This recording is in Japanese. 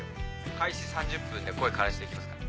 開始３０分で声からしていきますからね。